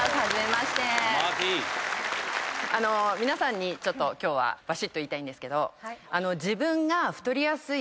皆さんにちょっと今日はばしっと言いたいんですけど。